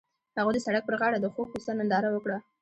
هغوی د سړک پر غاړه د خوږ کوڅه ننداره وکړه.